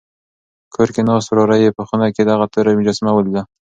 کور کې ناست وراره یې په خونه کې دغه توره مجسمه ولیده.